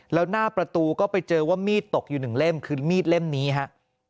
แล้วหน้าประตูก็ไปเจอว่ามีดตกอยู่หนึ่งเล่มคือมีดเล่มนี้ครับ